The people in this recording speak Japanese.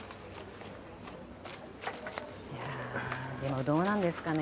いやでもどうなんですかね？